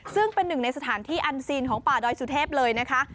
ซึ่งเป็นหนึ่งในสถานที่อันซีนของป่าดอยสุเทพเลยนะคะ